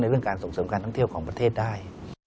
เรื่องการส่งเสริมการท่องเที่ยวของประเทศได้